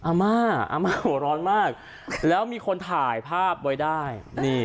อัมม่าร้อนมากแล้วมีคนถ่ายภาพไว้ได้